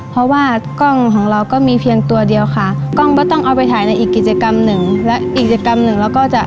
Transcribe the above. เพราะว่ากล้องของเราก็มีเพียงตัวเดียวค่ะกล้องก็ต้องเอาไปถ่ายในอีกกิจกรรมหนึ่ง